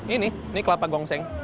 ini ini kelapa gongseng